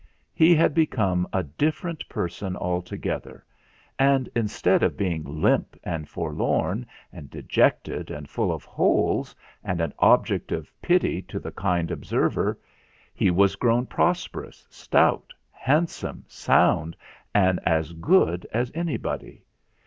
He had become a different person altogether, and instead of being limp and forlorn, and de jected and full of holes, and an object of pity to the kind observer, he was grown prosperous, stout, handsome, sound, and as good as any body.